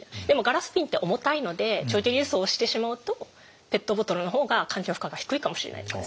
でもガラス瓶って重たいので長距離輸送をしてしまうとペットボトルの方が環境負荷が低いかもしれない。